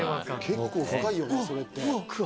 結構深いよねそれって。